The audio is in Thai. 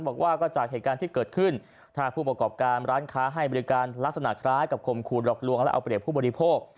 บอกว่าก็จากเหตุการณ์ที่เกิดขึ้นถ้าผู้ประกอบการร้านค้าให้บริการลักษณะคล้ายกับข่มขู่หลอกลวงและเอาเปรียบผู้บริโภค